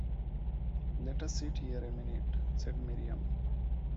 “Let us sit here a minute,” said Miriam.